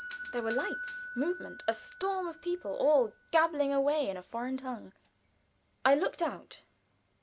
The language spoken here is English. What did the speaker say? There were lights, movement, a storm of people all gabbling away in a foreign tongue. I looked out.